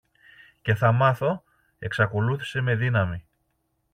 Και θα μάθω, εξακολούθησε με δύναμη.